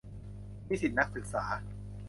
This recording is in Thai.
นิสิตนักศึกษา